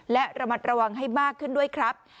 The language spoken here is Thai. และระมัดระวังให้มากขึ้นด้วยครับ